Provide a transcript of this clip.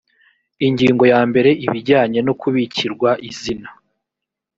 ingingo yambere ibijyanye no kubikirwa izina